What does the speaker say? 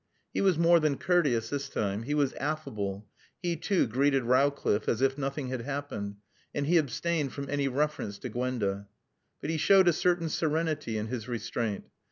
He was more than courteous this time. He was affable. He too greeted Rowcliffe as if nothing had happened, and he abstained from any reference to Gwenda. But he showed a certain serenity in his restraint.